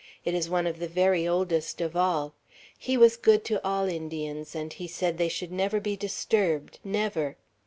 It is one of the very oldest of all; he was good to all Indians, and he said they should never be disturbed, never.